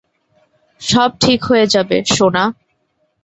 সব ঠিক হয়ে যাবে, সোনা।